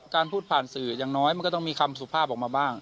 การพูดผ่านสื่ออย่างน้อยมันก็ต้องมีคำสุภาพออกมาบ้าง